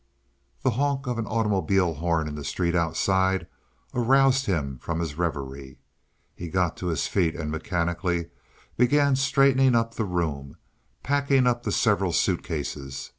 The honk of an automobile horn in the street outside aroused him from his reverie. He got to his feet and mechanically began straightening up the room, packing up the several suit cases.